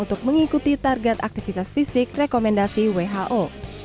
untuk mengikuti target aktivitas fisik rekomendasi who